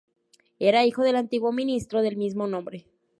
Era hijo del antiguo ministro del mismo nombre.